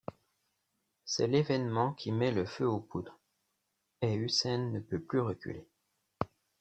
C'est l'événement qui met le feu aux poudres, et Hussein ne peut plus reculer.